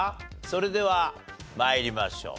それでは参りましょう。